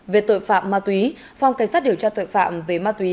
về tội phạm ma túy phòng cảnh sát điều tra tội phạm về ma túy